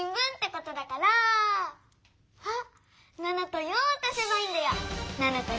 ７と４を足せばいいんだよ。